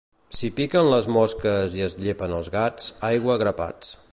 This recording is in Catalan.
Si piquen les mosques i es llepen els gats, aigua a grapats.